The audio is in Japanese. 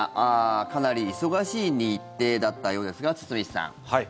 かなり忙しい日程だったようですが、堤さん。